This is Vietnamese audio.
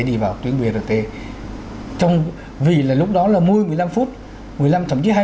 đi vào tuyến brt vì là lúc đó là mươi mươi lăm phút mười lăm thậm chí hai